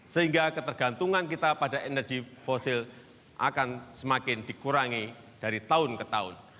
sehingga ketergantungan kita pada energi fosil akan semakin dikurangi dari tahun ke tahun